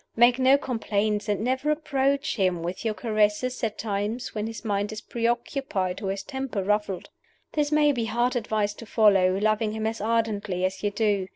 Make no complaints, and never approach him with your caresses at times when his mind is preoccupied or his temper ruffled. This may be hard advice to follow, loving him as ardently as you do.